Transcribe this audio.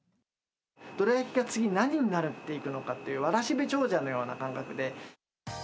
どら焼きが、次、何になるのかっていう、わらしべ長者のような感覚で。